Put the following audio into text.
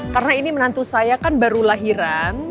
karena ini menantu saya kan baru lahiran